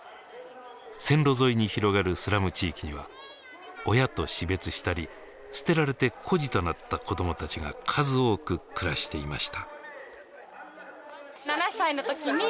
線路沿いに広がるスラム地域には親と死別したり捨てられて孤児となった子どもたちが数多く暮らしていました。